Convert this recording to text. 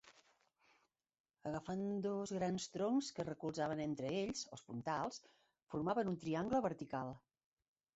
Agafant dos grans troncs que es recolzaven entre ells, els puntals, formaven un triangle vertical.